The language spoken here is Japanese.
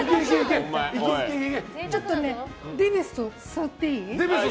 ちょっとねデベソ触っていい？